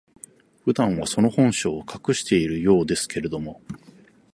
普段は、その本性を隠しているようですけれども、